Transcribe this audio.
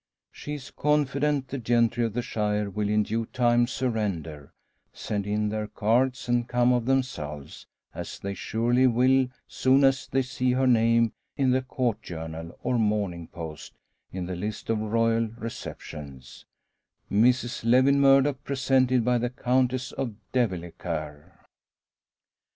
She is confident the gentry of the shire will in due time surrender, send in their cards and come of themselves; as they surely will, soon as they see her name in the Court Journal or Morning Post in the list of Royal receptions: "Mrs Lewin Murdock, presented by the Countess of Devilacare."